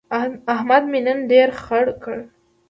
احمد مې نن ډېر خړ کړ.